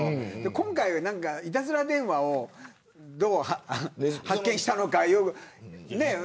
今回は、いたずら電話をどう発見したのか。